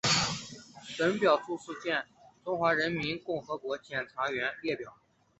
本表注释见中华人民共和国检察院列表。